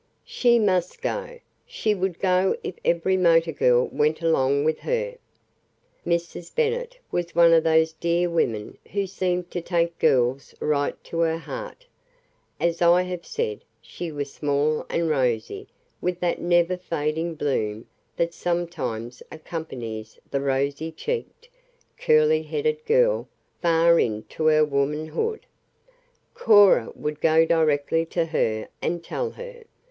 She must go. She would go if every motor girl went along with her. Mrs. Bennet was one of those dear women who seem to take girls right to her heart. As I have said, she was small and rosy, with that never fading bloom that sometimes accompanies the rosy cheeked, curly headed girl far into her womanhood. Cora would go directly to her, and tell her.